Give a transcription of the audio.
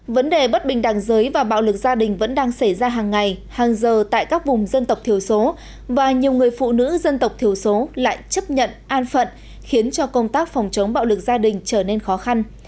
vấn đề bất bình đẳng giới và bạo lực gia đình vẫn đang xảy ra hàng ngày hàng giờ tại các vùng dân tộc thiểu số và nhiều người phụ nữ dân tộc thiểu số lại chấp nhận an phận khiến cho công tác phòng chống bạo lực gia đình trở nên khó khăn